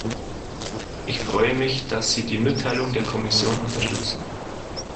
Ich freue mich, dass Sie die Mitteilung der Kommission unterstützen.